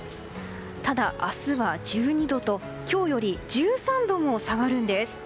ただ、明日は１２度と今日より１３度も下がるんです。